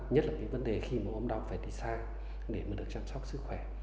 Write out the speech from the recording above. nhất là vấn đề khi một ông đọc phải đi xa để được chăm sóc sức khỏe